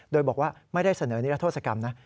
โดยบอกว่าไม่ได้เสนอนิรโทษกรรมนะ